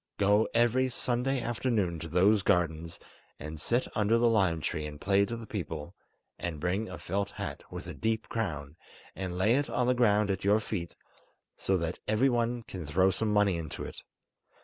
Go every Sunday afternoon to those gardens; and sit under the lime tree and play to the people, and bring a felt hat with a deep crown, and lay it on the ground at your feet, so that everyone can throw some money into it.